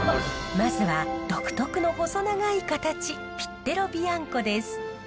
まずは独特の細長い形ピッテロビアンコです。